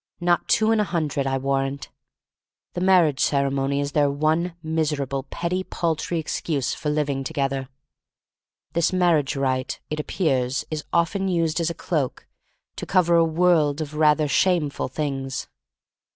Not two in a hundred, I warrant. The marriage ceremony is their one miser able, petty, paltry excuse for living to gether. This marriage rite, it appears, is often used as a cloak to cover a world of rather shameful things.